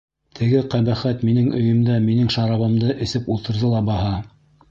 Теге ҡәбәхәт минең өйөмдә минең шарабымды эсеп ултырҙы ла баһа!